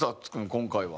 今回は？